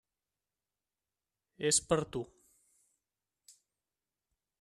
És per a tu.